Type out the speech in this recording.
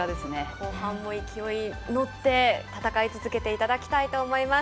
後半も勢いに乗って戦い続けていただきたいと思います。